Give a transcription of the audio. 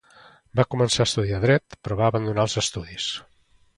Va començar a estudiar dret, però va abandonar els estudis.